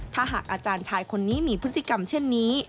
ถ้าหากอาจารย์ชายคนนี้มีพฤติกรรมเช่นนี้